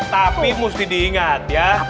tapi mesti diingat ya